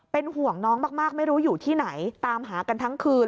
เป็นห่วงน้องมากไม่รู้อยู่ที่ไหนตามหากันทั้งคืน